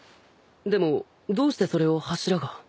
でもどうしてそれを柱が？